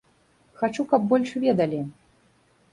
Хачу, каб больш ведалі.